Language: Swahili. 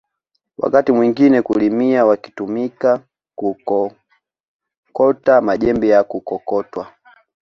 Wakati mwingine kulimia wakitumika kukokota majembe ya kukokotwa